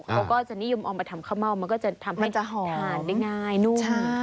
เขาก็จะนิยมเอามาทำข้าวเม่ามันก็จะทำให้ทานได้ง่ายนุ่ม